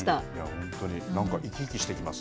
本当に生き生きしてきます